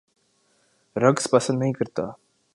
رقص پسند نہیں کرتا